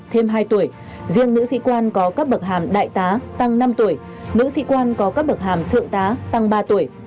thêm hai tuổi riêng nữ sĩ quan có cấp bậc hàm đại tá tăng năm tuổi nữ sĩ quan có cấp bậc hàm thượng tá tăng ba tuổi